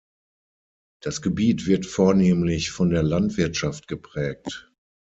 Das Gebiet wird vornehmlich von der Landwirtschaft geprägt.